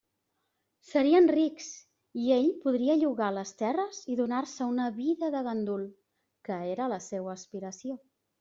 Serien rics i ell podria llogar les terres i donar-se una vida de gandul, que era la seua aspiració.